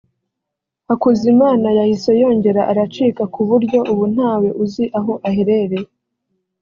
Hakuzimana yahise yongera aracika ku buryo ubu ntawe uzi aho aherereye